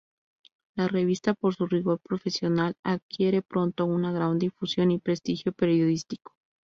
La revista, por su rigor profesional, adquiere pronto una gran difusión y prestigio periodístico.